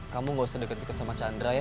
kamu gak usah deket deket sama chandra ya